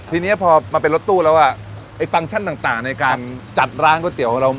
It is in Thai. ทีนี้พอมาเป็นรถตู้แล้วอ่ะไอ้ฟังก์ชั่นต่างในการจัดร้านก๋วยเตี๋ยวเรา